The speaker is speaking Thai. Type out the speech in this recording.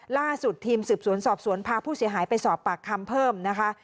ล่าสุดทีมสืบสวนสอบสวนพาผู้เสียหายไปสอบปากคำเพิ่มนะคะ